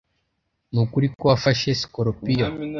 Nukuri ko wafashe sikorupiyo?